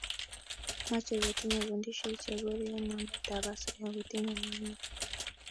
mache kotinye kundishek che borie namet ab asoya kotinye mat ne